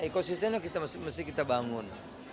ekosistensinya kita mesti bangun